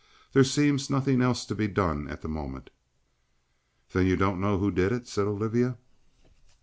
There seems nothing else to be done at the moment." "Then you don't know who did it?" said Olivia.